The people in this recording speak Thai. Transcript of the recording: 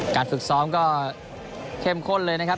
การฝึกซ้อมก็เข้มข้นเลยนะครับ